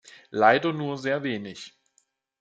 Leider nur sehr wenig.